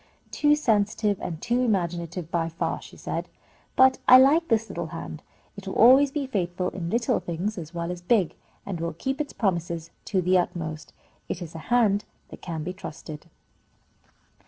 "Too sensitive and too imaginative by far," she said. "But I like this little hand. It will always be faithful in little things as well as big, and will keep its promises to the utmost. It is a hand that can be trusted."